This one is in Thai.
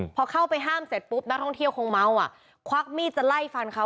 พอเข้าไปห้ามเสร็จปุ๊บนักท่องเที่ยวคงเมาอ่ะควักมีดจะไล่ฟันเขา